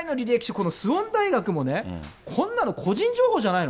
このスウォン大学もね、こんなの個人情報じゃないの。